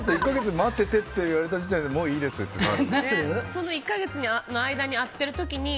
１か月待っててって言われた時点でもういいですってなる。